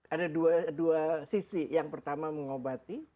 ada dua sisi yang pertama mengobati